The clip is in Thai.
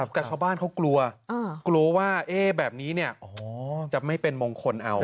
แต่ชาวบ้านเขากลัวกลัวว่าแบบนี้จะไม่เป็นมงคลเอา